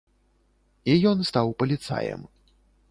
І ён стаў паліцаем.